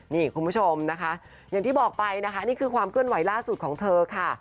นี่คุณผู้ชมนะคะอย่างที่บอกไปนะคะนี่คือความเคลื่อนไหวล่าสุดของเธอค่ะ